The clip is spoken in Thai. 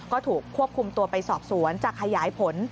ก็ถูกควบคุมตัวไปสอบสวนจะขยายผล